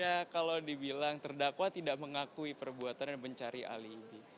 ya kalau dibilang terdakwa tidak mengakui perbuatan dan mencari alibi